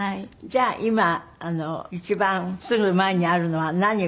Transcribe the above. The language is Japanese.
じゃあ今一番すぐ前にあるのは何？